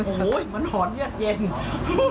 โอ้โหมันหอนเนี่ยเย็น